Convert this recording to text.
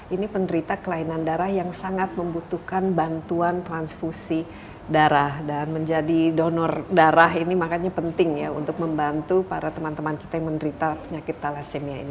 ini penderita kelainan darah yang sangat membutuhkan bantuan transfusi darah dan menjadi donor darah ini makanya penting ya untuk membantu para teman teman kita yang menderita penyakit thalassemia ini